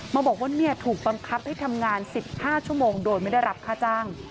มาบอกว่าเนี่ยถูกปังคับให้ทำงานสิบห้าชั่วโมงโดยไม่ได้รับค่าจัง